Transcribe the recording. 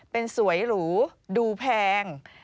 เป็นสวยหรูดูแพง